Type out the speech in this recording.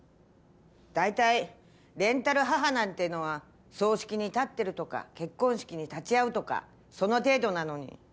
大体レンタル母なんてのは葬式に立ってるとか結婚式に立ち会うとかその程度なのに。